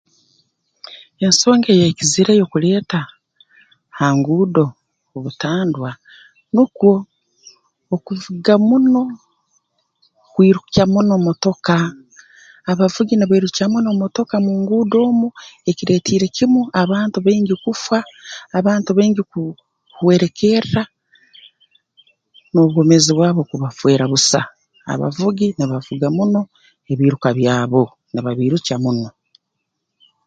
Ensonga eyeekizireyo okuleeta ha nguudo obutandwa nukwo okuvuga muno kwirukya muno motoka abavugi nibairukya muno motoka mu nguudo omu ekireetiire kimu abantu baingi kufa abantu baingi ku kuhwerekerra n'obwomeezi bwabo kubafeera busa abavugi nibavuga muno ebiiruka byabo nibabiirukya muno